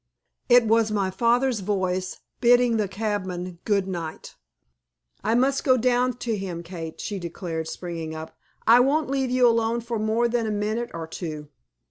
It was my father's voice bidding the cabman "Good night." "I must go down to him, Kate," she declared, springing up; "I won't leave you alone for more than a minute or two."